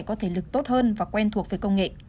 có thể lực tốt hơn và quen thuộc với công nghệ